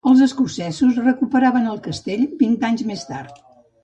Els escocesos recuperaven el castell vint anys més tard.